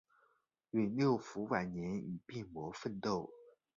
永六辅晚年与病魔奋斗。